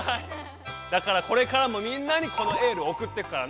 だからこれからもみんなにこのエールをおくってくからね。